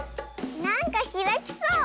なんかひらきそう。